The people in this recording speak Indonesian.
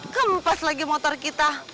kempes lagi motor kita